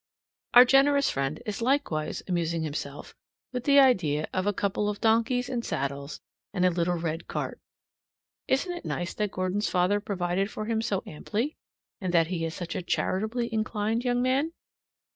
Our generous friend is likewise amusing himself with the idea of a couple of donkeys and saddles and a little red cart. Isn't it nice that Gordon's father provided for him so amply, and that he is such a charitably inclined young man?